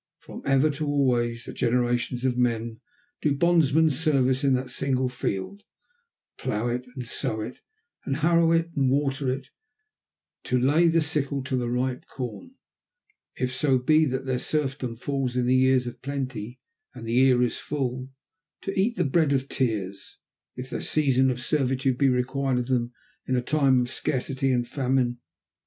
From ever to always the generations of men do bondsmen's service in that single field, to plough it and sow it, and harrow it and water it, to lay the sickle to the ripe corn if so be that their serfdom falls in the years of plenty and the ear is full, to eat the bread of tears, if their season of servitude be required of them in a time of scarcity and famine.